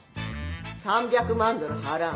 ３００万ドル払う。